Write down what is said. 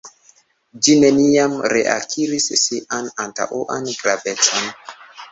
Ĝi neniam reakiris sian antaŭan gravecon.